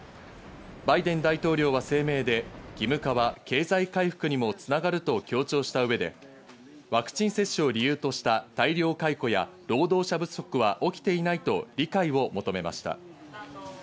バイデン大統領は声明で、義務化は経済回復にもつながると強調した上で、ワクチン接種を理由とした大量解雇や労働者不足は起きていないと理解を求めました。